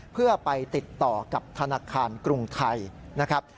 เพื่อไปติดต่อกับธนาคารกรุงไทยนะครับ